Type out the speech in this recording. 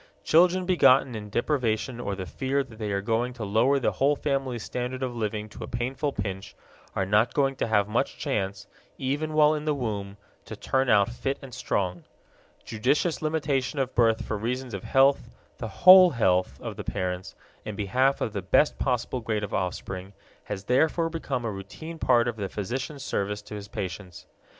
Children begotten in deprivation or the fear that they are going to lower the whole family's standard of living to a painful pinch are not going to have much chance, even while in the womb, to turn out fit and strong. Judicious limitation of birth for reasons of health, the whole health of the parents, in behalf of the best possible grade of offspring has therefore become a routine part of the physician's service to his patients.